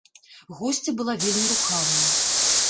Госця была вельмі рухавая.